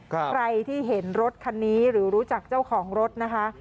ใครที่เห็นรถคันนี้หรือรู้จักเจ้าของรถนะคะ